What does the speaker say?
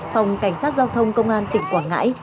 phòng cảnh sát giao thông công an tỉnh quảng ngãi